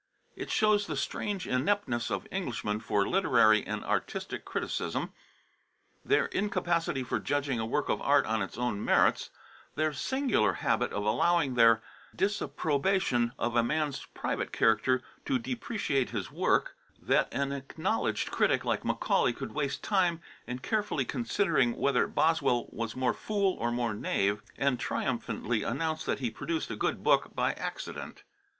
It shows the strange ineptness of Englishmen for literary and artistic criticism, their incapacity for judging a work of art on its own merits, their singular habit of allowing their disapprobation of a man's private character to depreciate his work, that an acknowledged critic like Macaulay could waste time in carefully considering whether Boswell was more fool or more knave, and triumphantly announce that he produced a good book by accident.